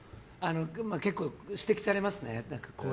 結構、指摘されますね。